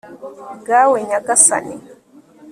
bwawe nyagasani